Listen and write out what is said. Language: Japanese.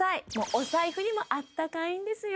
お財布にもあったかいんですよ